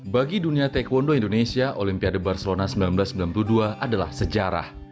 bagi dunia taekwondo indonesia olimpiade barcelona seribu sembilan ratus sembilan puluh dua adalah sejarah